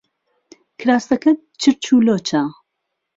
کراسەکەت چرچ و لۆچە.